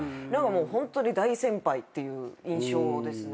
ホントに大先輩っていう印象ですね。